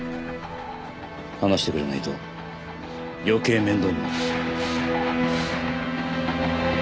話してくれないと余計面倒になる。